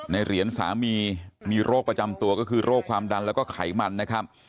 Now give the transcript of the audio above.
เหรียญสามีมีโรคประจำตัวก็คือโรคความดันแล้วก็ไขมันนะครับ